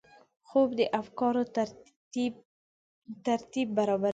خوب د افکارو ترتیب برابروي